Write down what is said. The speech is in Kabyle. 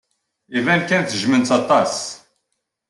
Iban kan tejjmem-t aṭas.